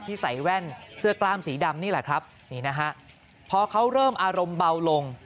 ใส่แว่นเสื้อกล้ามสีดำนี่แหละครับนี่นะฮะพอเขาเริ่มอารมณ์เบาลง